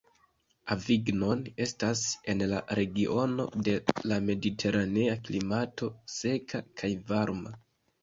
Avignon estas en la regiono de la mediteranea klimato, seka kaj varma.